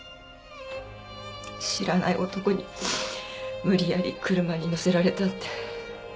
知らない男に無理やり車に乗せられたってそう。